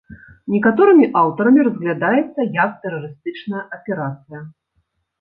Некаторымі аўтарамі разглядаецца як тэрарыстычная аперацыя.